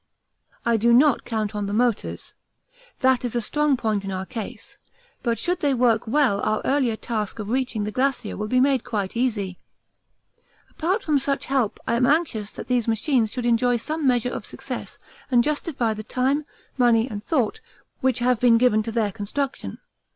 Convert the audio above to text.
I do not count on the motors that is a strong point in our case but should they work well our earlier task of reaching the Glacier will be made quite easy. Apart from such help I am anxious that these machines should enjoy some measure of success and justify the time, money, and thought which have been given to their construction.